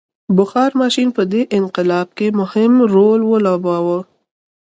بخار ماشین په دې انقلاب کې مهم رول ولوباوه.